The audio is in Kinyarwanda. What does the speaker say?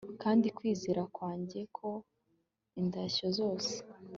Kandi kwizera kwanjye ko indabyo zose